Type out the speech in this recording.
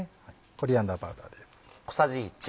コリアンダーパウダーです。